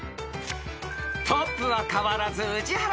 ［トップは変わらず宇治原ペア］